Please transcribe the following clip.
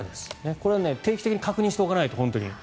これは定期的に確認しておかないと、本当に。